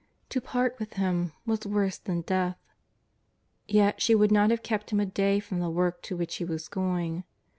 To part with Him was worse than death. Yet she would not have kept Him a day from the work to which He was going.